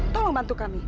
tolong bantu kami